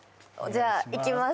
じゃあいきます